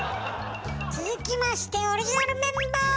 続きましてオリジナルメンバー！